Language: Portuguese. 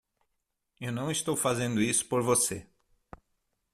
Eu não estou fazendo isso por você!